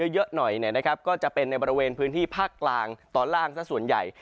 เยอะหน่อยก็จะเป็นในบริเวณพื้นที่ภาคกลางตอนล่างสักส่วนใหญ่